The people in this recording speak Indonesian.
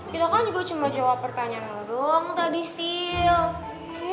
kita kan juga cuma jawab pertanyaan dulu tadi sil